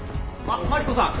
あっマリコさん。